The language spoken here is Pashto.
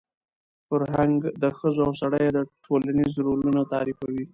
فرهنګ د ښځو او سړیو ټولنیز رولونه تعریفوي.